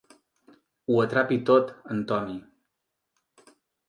Ho atrapi tot, en Tommy.